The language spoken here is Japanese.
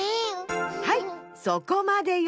はいそこまでよ。